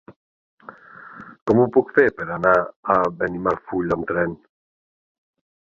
Com ho puc fer per anar a Benimarfull amb tren?